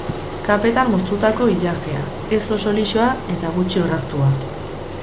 Kapetan moztutako ilajea, ez oso lisoa eta gutxi orraztua.